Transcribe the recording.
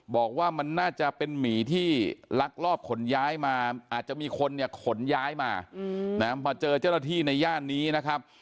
บอกว่ามันน่าจะเป็นหมีที่ลักลอบขนย้ายมาอาจจะมีคนเนี่ยขนย้ายมามาเจอเจ้าหน้าที่ในย่านนี้นะครับ